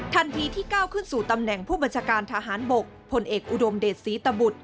ที่ก้าวขึ้นสู่ตำแหน่งผู้บัญชาการทหารบกพลเอกอุดมเดชศรีตบุตร